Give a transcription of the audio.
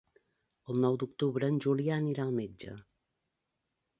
El nou d'octubre en Julià anirà al metge.